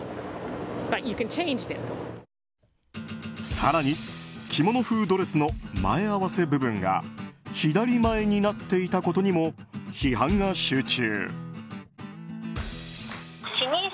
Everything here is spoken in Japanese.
更に着物風ドレスの前合わせ部分が左前になっていたことにも批判が集中。